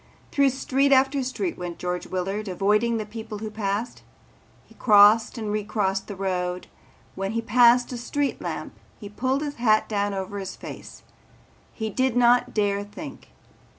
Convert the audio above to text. Through street after street went George Willard, avoiding the people who passed. He crossed and recrossed the road. When he passed a street lamp he pulled his hat down over his face. He did not dare think.